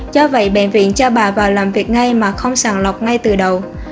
do vậy bệnh viện cho bà vào làm việc ngay mà không sàng lọc ngay từ đầu